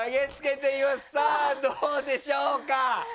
さあ、どうでしょうか。